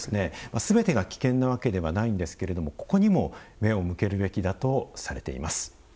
すべてが危険なわけではないんですけれどもここにも目を向けるべきだとされています。